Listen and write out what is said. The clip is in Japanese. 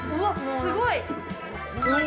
◆すごい。